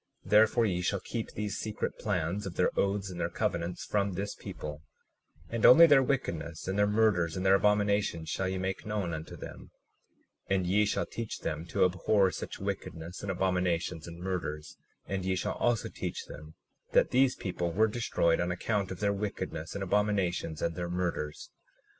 37:29 Therefore ye shall keep these secret plans of their oaths and their covenants from this people, and only their wickedness and their murders and their abominations shall ye make known unto them; and ye shall teach them to abhor such wickedness and abominations and murders; and ye shall also teach them that these people were destroyed on account of their wickedness and abominations and their murders.